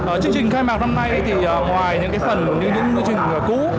ở chương trình khai mạc năm nay thì ngoài những cái phần như những chương trình cũ